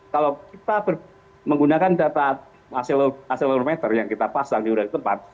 kalau kita menggunakan data accelerometer yang kita pasang di udara tempat